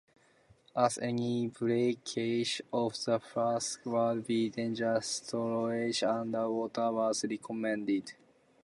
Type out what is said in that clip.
As any breakage of the flask would be dangerous, storage under water was recommended.